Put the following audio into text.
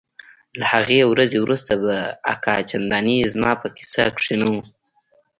له هغې ورځې وروسته به اکا چندانې زما په کيسه کښې نه و.